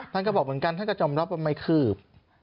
ท่านก็บอกเหมือนกันท่านก็ยอมรับว่าไม่คืบ